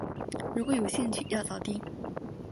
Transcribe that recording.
如果有兴趣要早定